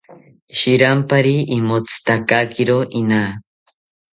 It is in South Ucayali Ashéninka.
Shirampari imotzitakakiro ina